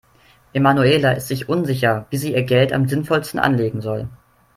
Emanuela ist sich unsicher, wie sie ihr Geld am sinnvollsten anlegen soll.